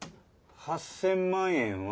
８，０００万円は」。